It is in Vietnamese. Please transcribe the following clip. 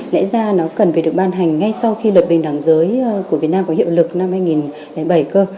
lần về được ban hành ngay sau khi luật bình đẳng giới của việt nam có hiệu lực năm hai nghìn bảy cơ